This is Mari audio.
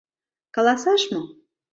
Каласаш мо?